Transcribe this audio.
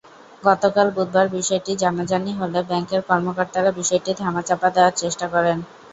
গতকাল বুধবার বিষয়টি জানাজানি হলে ব্যাংকের কর্মকর্তারা বিষয়টি ধামাচাপা দেওয়ার চেষ্টা করেন।